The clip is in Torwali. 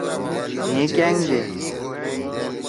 مھیئے کأنگ دے۔